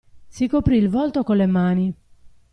Si coprì il volto con le mani.